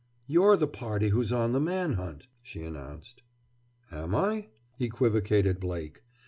"You're the party who's on the man hunt," she announced. "Am I?" equivocated Blake.